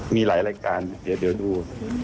มีหลายรายการเดี๋ยวดู